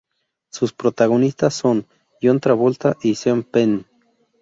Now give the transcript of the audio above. Sus protagonistas son John Travolta y Sean Penn.